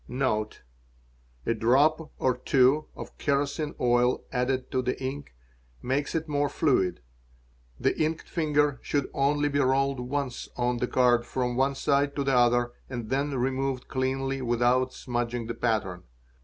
| '"Notrre.—A drop or two of kerosine oil added to the init! makasdeeaeee fluid The inked finger should only be rolled once on the card from one side to the other and then removed cleanly without smudging the pattern.